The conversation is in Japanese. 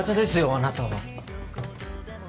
あなたは。